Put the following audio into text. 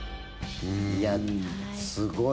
いや、すごい。